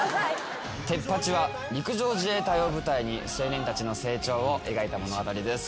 『テッパチ！』は陸上自衛隊を舞台に青年たちの成長を描いた物語です。